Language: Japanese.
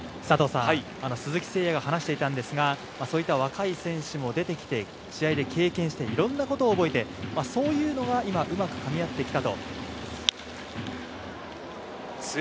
鈴木誠也が話していたんですが、若い選手も出てきて、試合で経験して、いろんなことを覚えてそういうのが今、うまくかみ合ってきた。